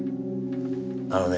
あのね